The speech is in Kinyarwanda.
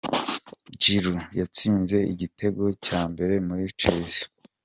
Giroud yatsinze igitego cya mbere muri Chelsea.